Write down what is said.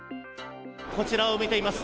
こちらを見ています。